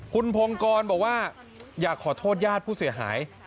คุณพงกรบอกว่าอยากขอโทษญาติผู้เสียหาย